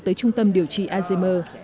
tới trung tâm điều trị alzheimer